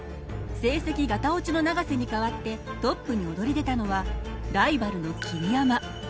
成績ガタオチの永瀬に代わってトップに躍り出たのはライバルの桐山。